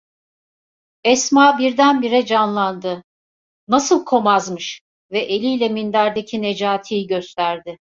Esma birdenbire canlandı: "Nasıl komazmış?" ve eliyle minderdeki Necati'yi gösterdi…